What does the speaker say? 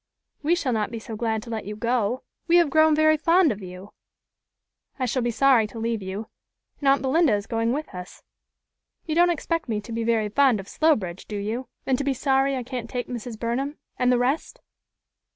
"We shall not be so glad to let you go. We have grown very fond of you." "I shall be sorry to leave you, and aunt Belinda is going with us. You don't expect me to be very fond of Slowbridge, do you, and to be sorry I can't take Mrs. Burnham and the rest?"